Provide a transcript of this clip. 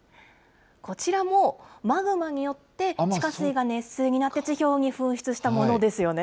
こちらも、マグマによって地下水が熱水になって、地表に噴出したものですよね。